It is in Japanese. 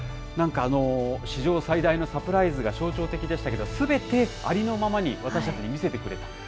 なんか、史上最大のサプライズが象徴的でしたけど、すべてありのままに私たちに見せてくれた。